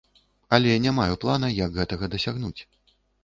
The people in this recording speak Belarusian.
Але не маю плана, як гэтага дасягнуць.